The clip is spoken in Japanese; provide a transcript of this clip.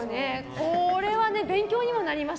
これは勉強にもなりました。